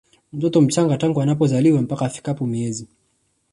mtoto mchanga tangu anapozaliwa mpaka afikapo miezi